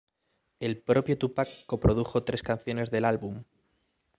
El propio Tupac coprodujo tres canciones del álbum.